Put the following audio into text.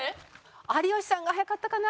有吉さんが早かったかな？